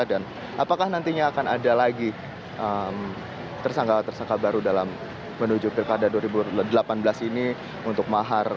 dan apakah nantinya akan ada lagi tersanggah tersanggah baru dalam menuju pilkada dua ribu delapan belas ini untuk mahar